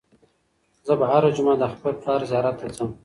زه به هره جمعه د خپل پلار زیارت ته ځم.